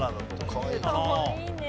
かわいいね。